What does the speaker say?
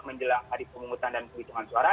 menjelang hari pengungutan dan penghitungan suara